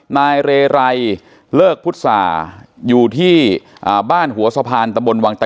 นายเรไรเลิกพุทธศาอยู่ที่บ้านหัวสะพานตะบนวังตะ